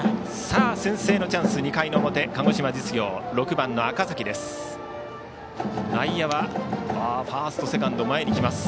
先制のチャンス、２回の表鹿児島実業、６番の赤嵜です。